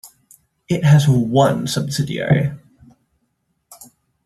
It has one subsidiary.